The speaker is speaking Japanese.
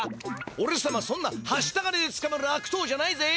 おれさまそんなはした金でつかまるあくとうじゃないぜ。